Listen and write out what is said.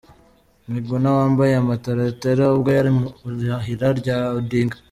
Miguna wambaye amataratara ubwo yari mu irahira rya Odinga.